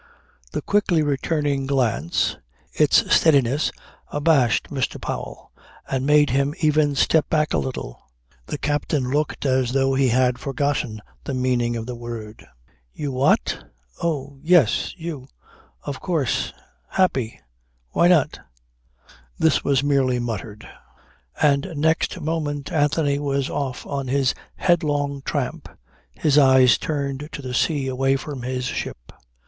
The quickly returning glance, its steadiness, abashed Mr. Powell and made him even step back a little. The captain looked as though he had forgotten the meaning of the word. "You what? Oh yes ... You ... of course ... Happy. Why not?" This was merely muttered; and next moment Anthony was off on his headlong tramp his eyes turned to the sea away from his ship.